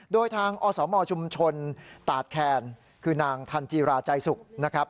โดยทางอสมชุมชนตาดแคนคือนางทันจีราใจสุขนะครับ